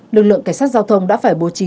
lực lượng cảnh sát giao thông đã phải bố trí